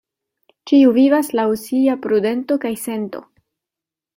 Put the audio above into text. Ĉiu vivas laŭ sia prudento kaj sento.